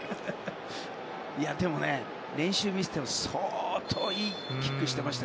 でも、練習を見ていても相当いいキックしてました。